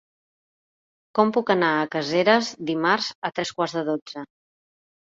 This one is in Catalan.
Com puc anar a Caseres dimarts a tres quarts de dotze?